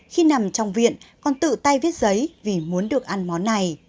khi nằm trong viện con tự tay viết giấy vì muốn được ăn món này